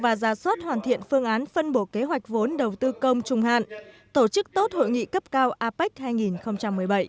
và ra soát hoàn thiện phương án phân bổ kế hoạch vốn đầu tư công trung hạn tổ chức tốt hội nghị cấp cao apec hai nghìn một mươi bảy